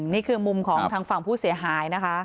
นี่คือมุมของทางฝั่งผู้เสียหายนะคะ